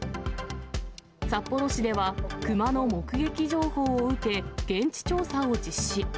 札幌市では、クマの目撃情報を受け、現地調査を実施。